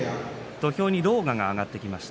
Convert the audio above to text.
土俵に狼雅が上がってきました。